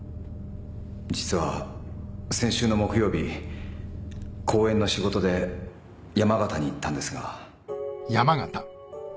実は先週の木曜日講演の仕事で山形に行ったんですが。